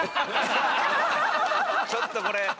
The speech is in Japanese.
ちょっとこれ。